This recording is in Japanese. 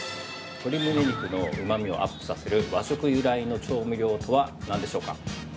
鶏むね肉のうまみをアップさせる和食由来の調味料とは何でしょうか。